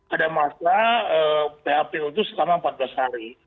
ada masalah papu itu selama empat belas hari